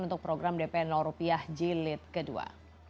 untuk program dp rupiah jelit kedua